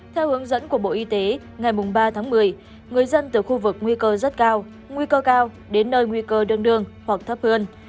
theo hướng dẫn của bộ y tế ngày ba tháng một mươi người dân từ khu vực nguy cơ rất cao nguy cơ cao đến nơi nguy cơ đương hoặc thấp hơn